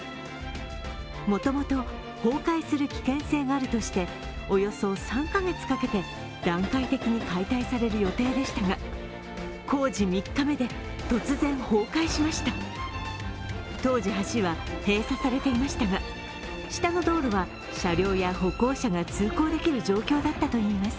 もともと崩壊する危険性があるとしておよそ３カ月かけて段階的に解体される予定でしたが、工事３日目で突然、崩壊しました当時、橋は閉鎖されていましたが、下の道路は車両や歩行者が通行できる状況だったといいます。